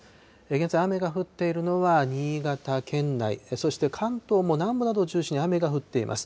現在、雨が降っているのは新潟県内、そして関東も南部などを中心に雨が降っています。